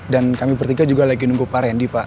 dan kami bertiga juga lagi nunggu pak randy